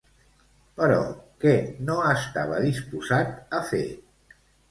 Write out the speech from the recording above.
Però què no estava disposat a fer?